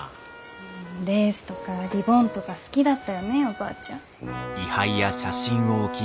レースとかリボンとか好きだったよねおばあちゃん。